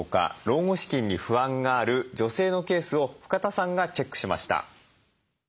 老後資金に不安がある女性のケースを深田さんがチェックしました。